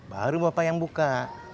baru bapak yang buka